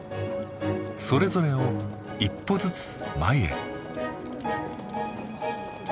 それぞれを一歩ずつ前へ。